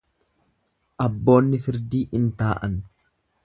abboonni firdii in taa'an,